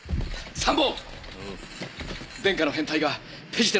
参謀！